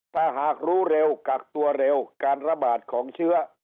ถ้าหากรู้เร็วกักตัวเร็วการระบาดของเชื้อ